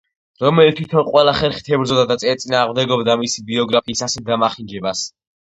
რომელი თვითონ ყველა ხერხით ებრძოდა და ეწინააღმდეგებოდა მისი ბიოგრაფიის ასეთ დამახინჯებას.